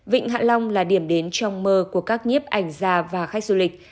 vịnh hạ long là điểm đến trong mơ của các nhiếp ảnh gia và khách du lịch